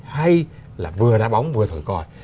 hay là vừa đá bóng vừa thổi còi